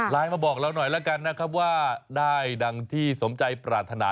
มาบอกเราหน่อยแล้วกันนะครับว่าได้ดังที่สมใจปรารถนา